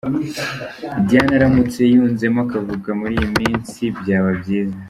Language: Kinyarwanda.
Diane aramutse yunzemo akavuga muri iyi minsi byaba byiza.